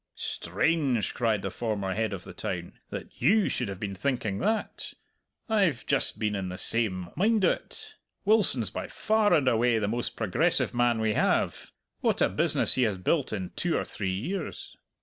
"Strange!" cried the former Head of the Town, "that you should have been thinking that! I've just been in the same mind o't. Wilson's by far and away the most progressive man we have. What a business he has built in two or three years!"